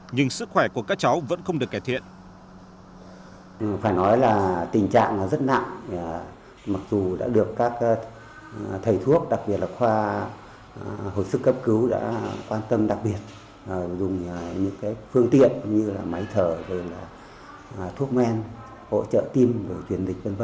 nhưng sức khỏe của các cháu vẫn không được cải thiện